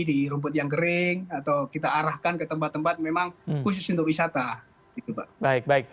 di rumput yang kering atau kita arahkan ke tempat tempat memang khusus untuk wisata baik baik